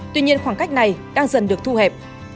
tuy nhiên khoảng cách này đang dần được thu hẹp